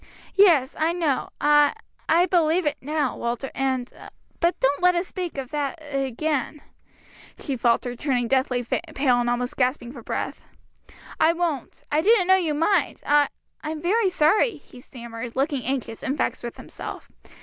"Yes, I know, I I believe it now, Walter, and But don't let us speak of it again," she faltered, turning deathly pale and almost gasping for breath. "I won't; I didn't know you'd mind; I I'm very sorry," he stammered, looking anxious, and vexed with himself.